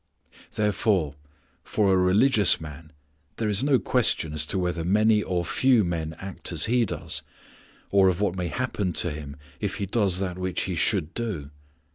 Therefore for a religious man there is no question as to whether many or few men act as he does, or of what may happen to him if he does that which he should do.